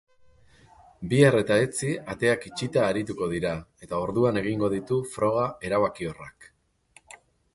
Bihar eta etzi ateak itxita arituko dira eta orduan egingo ditu froga erabakiorrak.